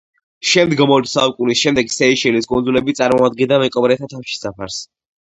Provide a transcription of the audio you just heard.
შემდგომ, ორი საუკუნის შემდეგ, სეიშელის კუნძულები წარმოადგენდა მეკობრეთა თავშესაფარს.